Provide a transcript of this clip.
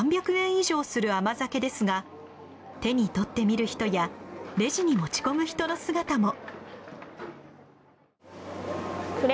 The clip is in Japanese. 以上する甘酒ですが手に取ってみる人やレジに持ち込む人の姿も。